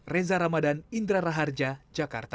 reza ramadan indra raharja jakarta